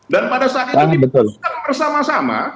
dan pada saat itu dibicarakan bersama sama